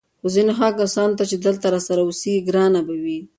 خو ځینو هغه کسانو ته چې دلته راسره اوسېږي ګرانه به وي